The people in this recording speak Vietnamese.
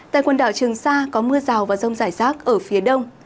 tại quần đảo trường sa có mưa rào và rông rải rác ở phía đông